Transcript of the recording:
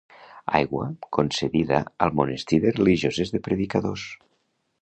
Aigua concedida al monestir de religioses de predicadors.